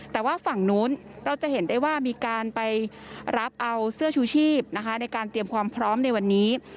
แต่ว่าฝั่งนู้นเราจะเห็นได้ว่ามีการไปรับเอาเสื้อชูชีพนะคะในการเตรียมความพร้อมในวันนี้